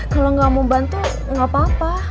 kalau nggak mau bantu gak apa apa